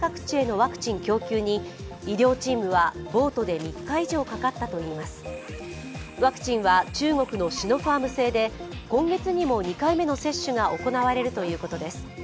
ワクチンは中国シノファーム製で今月にも２回目の接種が行われるということです。